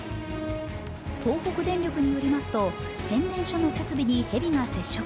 東北電力によりますと変電所の設備にへびが接触。